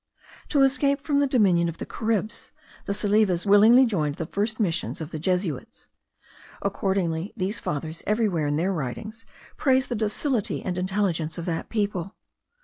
To escape from the dominion of the Caribs, the Salives willingly joined the first Missions of the Jesuits. Accordingly these fathers everywhere in their writings praise the docility and intelligence of that people.